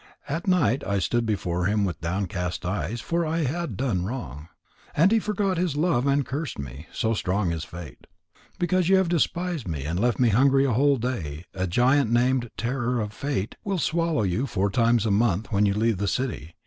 At night I stood before him with downcast eyes, for I had done wrong. And he forgot his love and cursed me so strong is fate. Because you have despised me and left me hungry a whole day, a giant named Terror of Fate will swallow you four times a month when you leave the city.